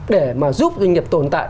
để mà giúp doanh nghiệp tồn tại